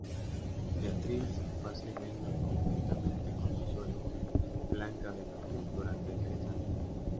Beatriz fue así reina conjuntamente con su suegra, Blanca de Namur, durante tres años.